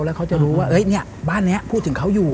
แล้วเขาจะรู้ว่าบ้านนี้พูดถึงเขาอยู่